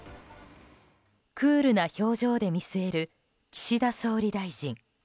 クールな表情で見据える岸田総理大臣。